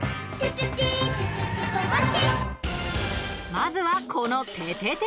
まずは、この、ててて！